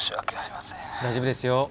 大丈夫ですよ。